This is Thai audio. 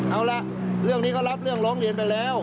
เอาล่ะเรื่องนี้เขารับเรื่องร้องเรียนไปแล้ว